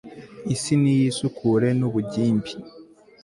Isi niyisukure nubugimbi